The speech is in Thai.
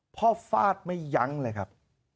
พ่อฟาดไม่ยังเลยครับ